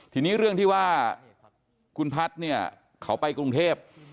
ทีนี้เรื่องที่ว่าคุณพัฒน์เนี่ยเขาไปกรุงเทพ